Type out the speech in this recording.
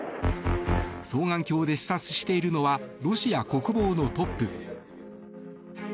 双眼鏡で視察しているのはロシア国防のトップ。